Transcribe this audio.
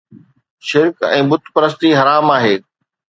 شرڪ ۽ بت پرستي حرام آهي